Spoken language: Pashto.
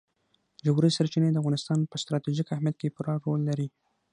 ژورې سرچینې د افغانستان په ستراتیژیک اهمیت کې پوره رول لري.